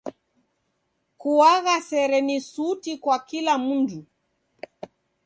Kuagha sere ni suti kwa kila mndu.